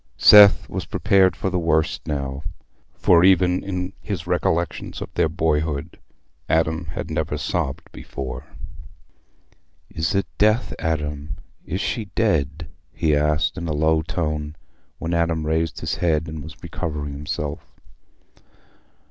Seth was prepared for the worst now, for, even in his recollections of their boyhood, Adam had never sobbed before. "Is it death, Adam? Is she dead?" he asked, in a low tone, when Adam raised his head and was recovering himself.